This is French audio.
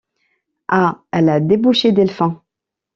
Ah! elle a débauché Delphin.